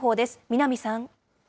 南さん。